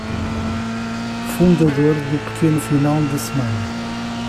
Fundador do pequeno final de semana